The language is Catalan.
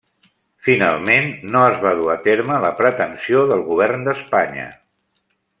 Finalment no es va dur a terme la pretensió del govern d'Espanya.